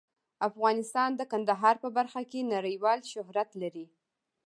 افغانستان د کندهار په برخه کې نړیوال شهرت لري.